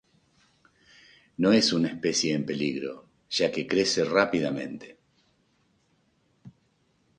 No es una especie en peligro, ya que crece rápidamente.